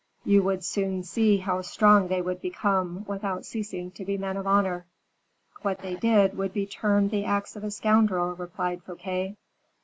You would soon see how strong they would become, without ceasing to be men of honor." "What they did would be termed the acts of a scoundrel," replied Fouquet.